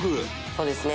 「そうですね。